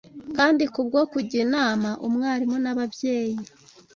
kandi kubwo kujya inama, umwarimu n’ababyeyi